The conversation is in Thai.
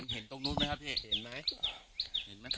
เห็นตรงนู้นไหมครับเห็นไหม